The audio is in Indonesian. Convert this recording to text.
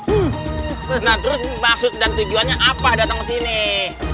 nah terus maksud dan tujuannya apa datang kesini